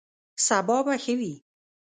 سبا به ښه وي